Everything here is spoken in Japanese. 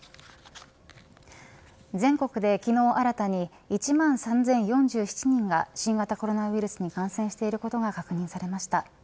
全国で昨日新たに１万３０４７人が新型コロナウイルスに感染していることが確認されました。